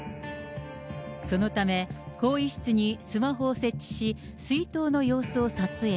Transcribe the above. そのため、更衣室にスマホを設置し、水筒の様子を撮影。